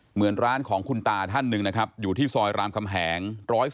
เหมือนร้านของคุณตาท่านหนึ่งนะครับอยู่ที่ซอยรามคำแหง๑๔